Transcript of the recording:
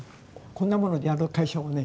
こんなものでやる会社はね